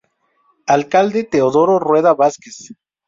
Alcalde: Teodoro Rueda Vásquez.